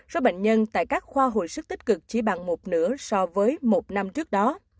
số bệnh nhân tại các khoa hồi sức tích cực chỉ bằng một nửa so với một năm trước đó